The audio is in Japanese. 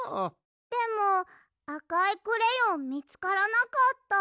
でもあかいクレヨンみつからなかった。